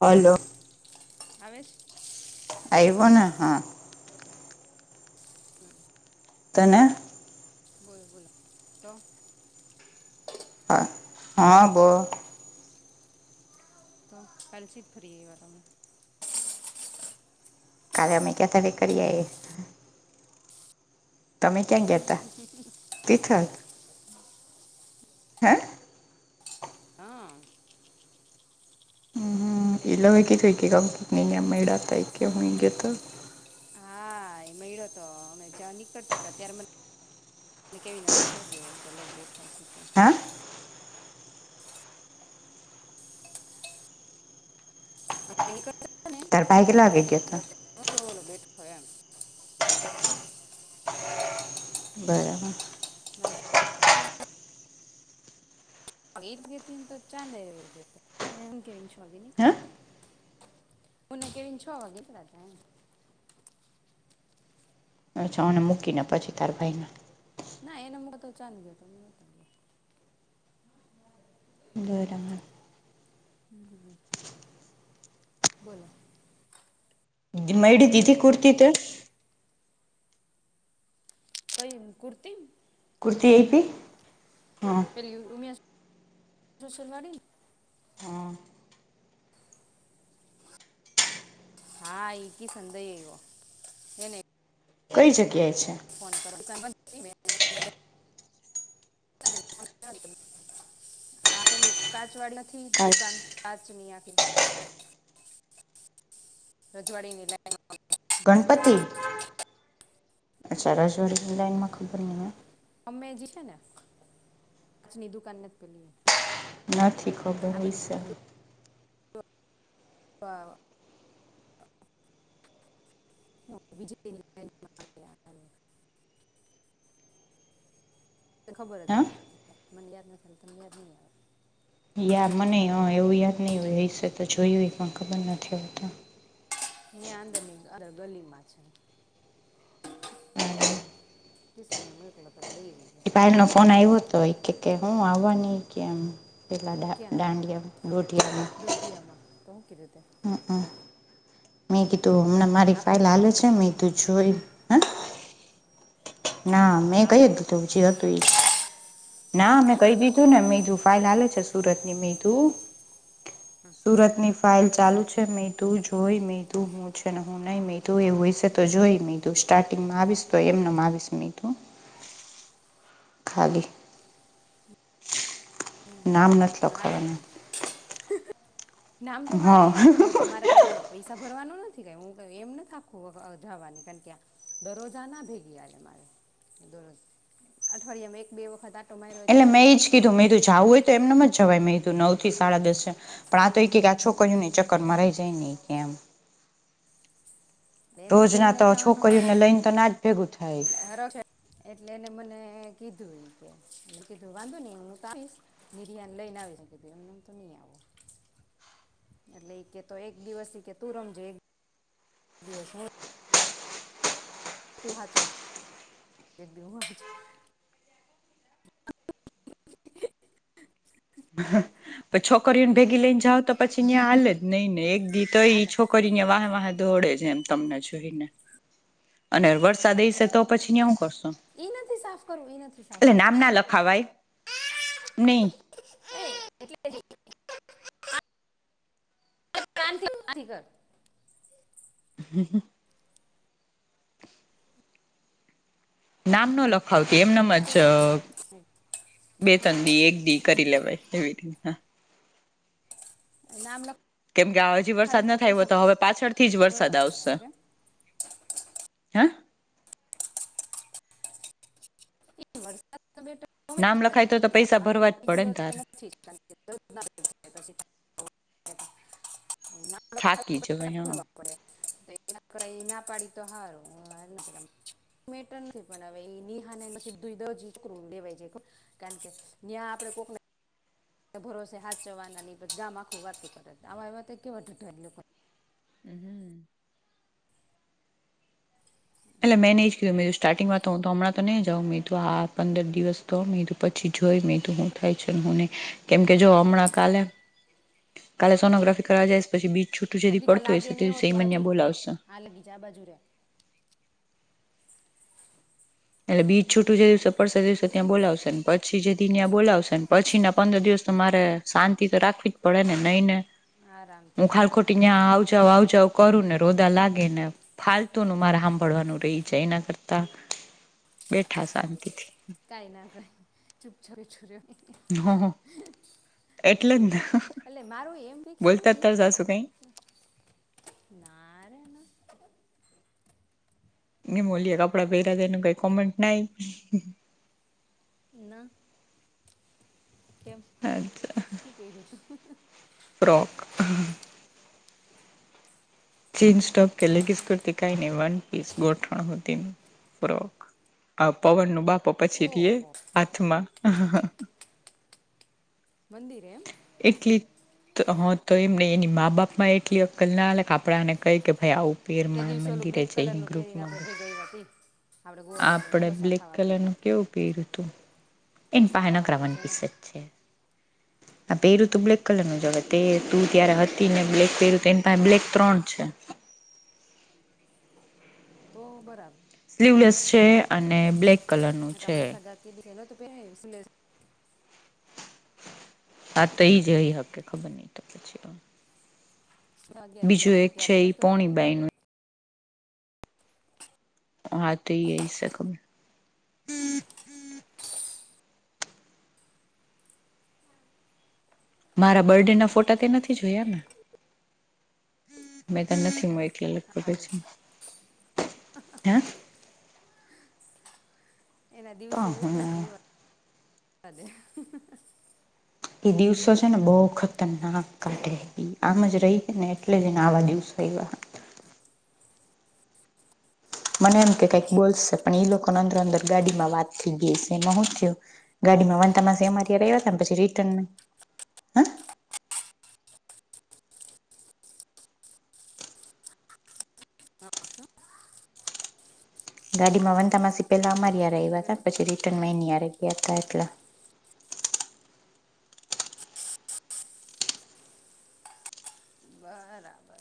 હાલો. આવે છે. આવયોને હા. હમ. તને. બોલો બોલો તો. હ હા બો. તો પલસી જ ફરી એ વા તમે. કારાલે અમે ક્યા થ્યારે કરીએ. તમે. ક્યાં ગયા તા તિથલ [inaudible] હા. હા બ જમપિંગ જમપિંગ. નિને મહૈડા તૈ કે હુ ગયો તો. હા એ મળ્યો તો અમે જ્યાં નીકળતા હતા ત્યારે મને. કેવી કે બેઠા પેલો બેઠો. હા [unintelligible] બે તાર ભાઈ કેટલા વાગે એમ ગયો હતો પેલો બેઠો એમ બરાબર. ન ભાઈ. એ ગને તો ચાંદ ગતો એમ કે છ વાગી હા નીકળતા. બોને કેમ છો વાગે ત્ર હતા. અચ્છાને મૂકીને પછી તારા ભાઈને. ના એનો મ તો ચાંદ ગયો તમે નોતા ગયા. બરાબર. હમ બોલો. મૈડડી જીધદી કુર્તી તો. કઈ કુર્તી. કુર્તી એપી. પે ઉમિયાોવાડી. હા એકી સંદય એવ્યો એ ન. કઈ જગ્યાએ છે. ફ [unintelligible] આ પેલું કાચ વાડી નથી દુકાન કાચમની આપી. રજવાડી ની લાય. ગણપતિ અચ્છા હું તો ભૂલી રાજઆરી જાઉં ખબર દેવાનું નને. અમે જે છે નેની દુકાન નથી પેલીએ. નથીથી કબર વીષે. ડો- તો. વિજય. ખબર જ હા હોય પણ મને યાદ ના ચ તમને યાદ નહીં આવે. યા મને એવું યાદ નહી હોય એ વિશે તો જોયું પણ ખબર નથી હોત. ગયા અંદર ની અંદર ગલીમાં છે તે. ક સાન્યામ ક પ દઈ. ગયો એ પાયલ નો એ ફોન તો આવ્યો હતો કે હું આવવા ન કેમ. પેલાં દાંડિયા દોઢિયામાં ઠિયામાં તો કીધુંતે હ હ મેં કીધું હમણાં મારી હા ફાઇલ પાડી હાલે છે મેં તું જોઈ હા ના મેં હા કહી પાડી દીધું જે હતું એજ ના મેમે કહી દીધું ને બીજું ફાઈલ હાલે છે સુરતની મે તું હમ સુરત ની ફાઇલ ચાલુ છે મેં તું જોઈ મેં તું હું પૂછે ને હું નઈ મે તું એવું વિશે તો જોઈ મે તું સ્ટાર્ટિંગમાં આવીશ તો એમને આવીશ એ તો ખાલી નામ નથી હજ લખાવાના નામ તો મારે હા એમ તો નથી મારે કઈ એવ પૈસા ભરવાનું નથી ક હું એમ નથી આખું જવાની કારણ કે દરરોજ આ ના ભેગી મારે દરરોજ અઠવાડિયામાં એક બે વખત આટો માર્યો હોય તે એટલે મેં એ જ રસ્તો કીધું અલગ મે છે જવું હોય તો એમનેમ જવાય મેં નવ થી સાડા દસ પણ આ તો એક એક આ છોકરીઓને ચક્કરમાં રહી જાય નહી કેમ એટલે એને રોજ ના બેનને તો છોકરીઓને લઈને તો ના જ ભેગું થાય હરો છે એટલે એને મને કીધું કે કીધું વાંધો નઈ હું તો આપીશ નિર્યાન લઈને આવી શકેધું એમનેમ તો નહી આવો [inaudible] એટલે કે તો એક દિવસ કે તું રમજો એક દિવસ હુ તું હા ચ એક- છોકરીઓને ભેગી લઈને જાવ તો પછી તયા આલે જ નહી ને એક દી તો એઈ હાલે છોકરી અહીંયા વાહે વાહ દોડે છે એમ તમને જોઈને અને વરસાદ એઈશે તો પછી ને હું કરશો એ નથી સાફ કરું એ નથી સાફ કરું યા લખાવાય ને એટલે [unintelligible] હ હ નામનો લખાવતી એમનેમ જ પોશાકમાં બે તં દી એક દી કરી લેવાય એવી રીતે નામ ના કેમ કે આ હજી વરસાદ ન થાય હોય તો હવે પાછળથી જ વરસાદ ભરવા જવાના આવશે કેમ હે નામ લખાય તો વરદ તો પૈસા ભરવા જ પડે ને તારે [unintelligible] તો. થાકી જવાય હા એ ના પાડી તો સારું હું વાર મેટર નથી પણ હવે નિહા લેવા કારણ કે્યાં આપડે કોક ભરોસે હાથ ચવાનાની ગામ આખું વાત કરે આવા એવા કેવા ટ લોકો હ હમ એટલે મેંને એ જ કીયું મે સ્ટાર્ટિંગમાં તો હું તો હમં ન જઉં મેંતો આ પંદર દિવસ તો પછી જોઈ મે તો હું થાય છે ને હું નહી કેમકે જો હમણાં કાલે કાલે સોનોગ્રાફી કરવા જાય પછી બીજ છૂટું જે પડતું હોશે તો સૈમન્યા બોલાવશે હા લગી જ આ બાજુરે એટલે બીજ છૂટું જે દિવસે પડશે દિવસે ત્યાં બોલાવશે ને પછી જેદી ત્યાં બોલાવશેપછી ના પંદર દિવસ તો મારે શાંતિ તો રાખવી જ પડે ને નહી ને આરામથી ના ના ના આવચાવ કરું ને રોદા લાગે ને ફાલતુ ન માર સાંભળવાનું રહી છે એના કરતા બેઠા શાંતિથી કઈ ના કઈ છુપ છુપ છુર હ હ એટલે જ ને એટલે મારું એમ ફિક્સ બોલતા જ નથી તાર સાસુ કઈ નારેના એ મોલિયા કપડાં પહેરા છે એનું કઈ કોમેન્ટ નાઈ ના તેમમ હ હું ક્યો હતું ફ્રોક ચીન્સ ટોપ કે લેગીસ કરતી કઈ નહી વન પીસ ગોઠણ હોતી ફ્રોક આ પવન નું બાપો પછી રએ ઓહો હાથમાં મંદિરે એકટલી તો હા તો એમને એની મા બાપમાં એટલી અક્કલ ના આવેલે કે આપણા એને કહી કે ભાઈ આવું પેર તે મા દિવસે ઓલું મંદિર બ્લેક જ કલરનું પહેરીને ગ્રુપમાં બ આપણે ભેગા ગયા હતી આપણે ગોળ આપડે ઢોસા બ્લેક ખાવા ગયા હતા કલરનુંું કેવું પીર્યું હતું એન ઢોસા પહેનક ખાવા ગયા રવણ છે ને પીસે જ છે આ પહેરું તો બ્લેક કલર નું જ તે તું ત્યારે હતી ને બ્લેક પહેરુંને પાસે બ્લેક ત્રણ છે તો બરાબર સ્લીવલેસ છે હા અને બ્લેક કલર નું છે દ ન ત પ હવી હા તો એ જ એય હકે ખબર નઈ તો પછી ખાવા ગયા બીજું લીલાપુર એક છે ત્યારે ઈ નહોતું આપણે પોણીબાઈ નું હા તો એય શમે મારા બર્ડે ના ફોટા તે નથી જોયા ને મેં તો નથી મળ ટગ સારું છે હે એના તો દિવસો હ હું જીવ એ દિવસો છે ને બહુખતર નાક કાઢે આમ જ રહી ને એટલે જને આવા દિવસો એવા મને એમ કે કઈક બોલશે પણ એ લોકોને અંદર અંદર ગાડીમાં વાત થઈ ગઈ છેમાં હું થું ગાડી માં વાનતામાંમાં ર્યા હતા પછી રિટર્ન હ શું ગાડી માં વનતા માસી પેલા અમાર ય્યારે શું આવ્યા હતા કહો પછી રિટર્નમાં એ ને યાર ગયા ત એટલા બરાબર